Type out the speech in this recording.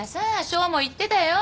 翔も言ってたよ。